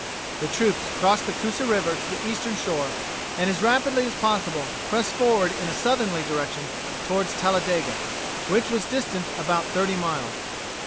The troops crossed the Coosa River to the eastern shore, and as rapidly as possible pressed forward in a southerly direction toward Talladega, which was distant about thirty miles.